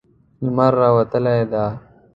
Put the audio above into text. لمر راوتلی ده